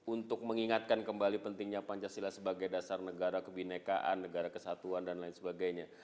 untuk mengingatkan kembali pentingnya pancasila sebagai dasar negara kebinekaan negara kesatuan dan lain sebagainya